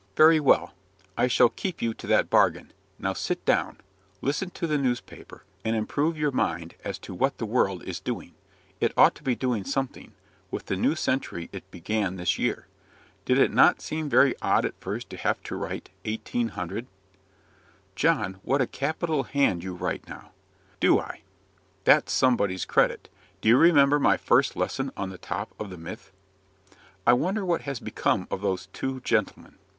"Very well; I shall keep you to that bargain. Now, sit down; listen to the newspaper, and improve your mind as to what the world is doing. It ought to be doing something, with the new century it began this year. Did it not seem very odd at first to have to write '1800'?" "John, what a capital hand you write now!" "Do I! That's somebody's credit. Do you remember my first lesson on the top of the Mythe?" "I wonder what has become of those two gentlemen?"